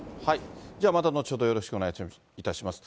また後ほどよろしくお願いいたします。